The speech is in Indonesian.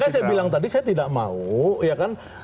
makanya saya bilang tadi saya tidak mau ya kan